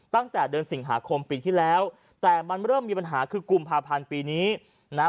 ตั้งแต่เดือนสิงหาคมปีที่แล้วแต่มันเริ่มมีปัญหาคือกุมภาพันธ์ปีนี้นะฮะ